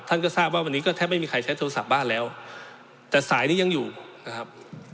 ท่านก็ทราบว่าวันนี้ก็แทบไม่มีใครใช้โทรศัพท์บ้านแล้วแต่สายนี้ยังอยู่นะครับ